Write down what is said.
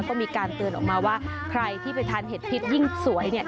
ก็มีการเตือนออกมาว่าใครที่ไปทานเห็ดพิษยิ่งสวยเนี่ย